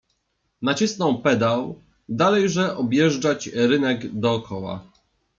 Nacisnął pedał i dalejże objeżdżać rynek dokoła.